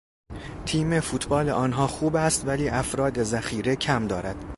تیم فوتبال آنها خوب است ولی افراد ذخیره کم دارد.